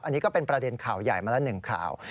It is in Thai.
อันนี้ก็เป็นประเด็นข่าวใหญ่มาละหนึ่งข่าว